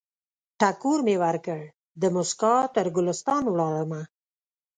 ټکور مې ورکړ، دموسکا تر ګلستان ولاړمه